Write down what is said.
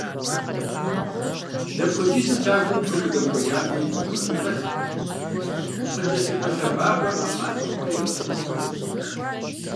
Дэпхуэдизу лъагэу бгым удэмыкӏуеями уигу игъэлъ, къыкӏэлъыкӏуэ лъэбакъуэр ӏэмал имыӏэу егъэзыхыгъуэу зэрыщытынур.